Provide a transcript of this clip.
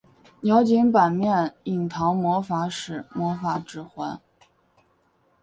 鸟井坂面影堂魔法使魔法指环